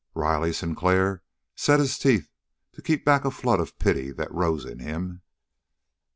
Riley Sinclair set his teeth to keep back a flood of pity that rose in him.